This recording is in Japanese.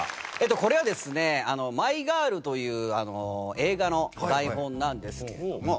これはですね『マイ・ガール』という映画の台本なんですけれども。